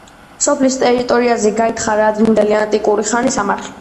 სოფლის ტერიტორიაზე გაითხარა ადრინდელი ანტიკური ხანის სამარხი.